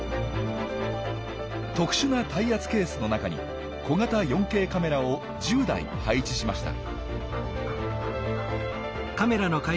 特殊な耐圧ケースの中に小型４Ｋカメラを１０台配置しました。